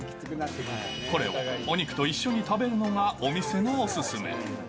これをお肉と一緒に食べるのが、お店のお勧め。